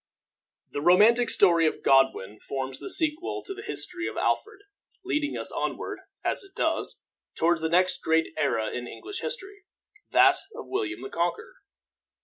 The romantic story of Godwin forms the sequel to the history of Alfred, leading us onward, as it does, toward the next great era in English history, that of William the Conqueror.